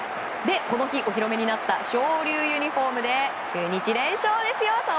この日、お披露目になった昇竜ユニホームで中日、連勝です。